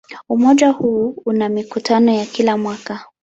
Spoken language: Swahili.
Umoja huu una mikutano ya kila mwaka.